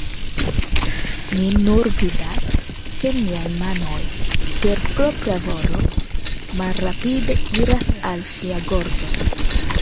Mi nur vidas, ke miaj manoj, per propra volo, malrapide iras al ŝia gorĝo...